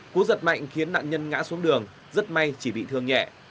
cú giật mạnh khiến nạn nhân ngã xuống đường rất may chỉ bị thương nhẹ